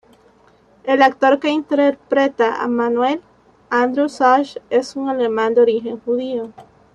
El actor que interpreta a Manuel, Andrew Sachs, es un alemán de origen judío.